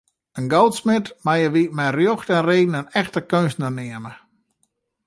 In goudsmid meie wy mei rjocht en reden in echte keunstner neame.